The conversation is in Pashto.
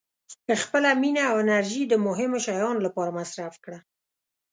• خپله مینه او انرژي د مهمو شیانو لپاره مصرف کړه.